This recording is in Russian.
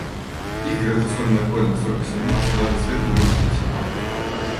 Их гравитационное поле настолько сильно, что даже свет не может уйти.